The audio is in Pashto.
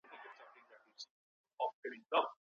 له عدالت څخه مراد پر تقوی باندي ملازمت دی.